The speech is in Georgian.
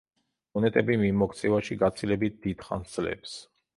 მონეტები მიმოქცევაში გაცილებით დიდხანს ძლებს.